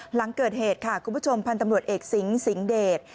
หลังเกิดเหตุค่ะคุณผู้ชมพันธ์ตำรวจเอกสิงสิงหเดช